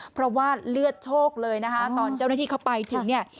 เพราะว่าเลือดโชคเลยนะคะตอนเจ้าหน้าที่เข้าไปถึงเนี่ย